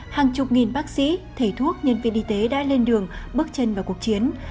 hàng chục nghìn bác sĩ thầy thuốc nhân viên y tế đã lên đường bước chân vào cuộc chiến